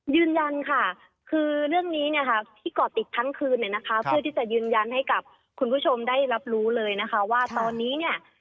ยืนยันค่ะคือเรื่องนี้เนี่ยค่ะที่ก่อติดทั้งคืนเนี่ยนะคะเพื่อที่จะยืนยันให้กับคุณผู้ชมได้รับรู้เลยนะคะว่าตอนนี้เนี่ย